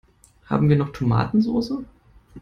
Haben wir noch Tomatensoße?